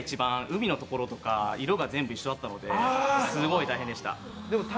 海のところとかが色が全部一緒だったので、すごい大変でした。